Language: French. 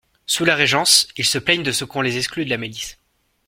Sous la Régence, ils se plaignent de ce qu'on les exclut de la milice.